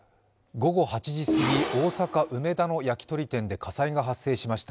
午後８時すぎ、大阪・梅田の焼き鳥店で火災が発生しました。